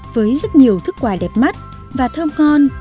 với rất nhiều thức quà đẹp mắt và thơm ngon